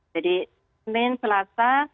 jadi senin selasa